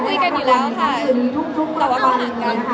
คุยกันอยู่แล้วคุยกันอยู่แล้วค่ะแต่ว่าก็ห่างกัน